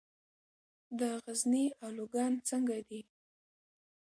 د غزني الوګان څنګه دي؟